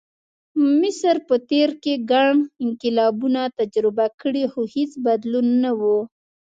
مصر په تېر کې ګڼ انقلابونه تجربه کړي، خو هېڅ بدلون نه و.